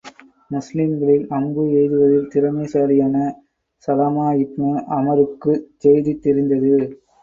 முஸ்லிம்களில் அம்பு எய்துவதில் திறமைசாலியான ஸலமா இப்னு அமறுக்குச் செய்தி தெரிந்தது.